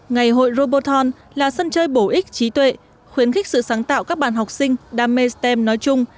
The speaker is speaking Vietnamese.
ngày hội roboton là sân chơi bổ ích trí tuệ khuyến khích sự sáng tạo các bạn học sinh đam mê stem nói chung